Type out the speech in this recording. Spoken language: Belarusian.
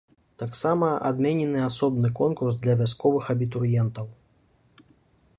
Таксама адменены асобны конкурс для вясковых абітурыентаў.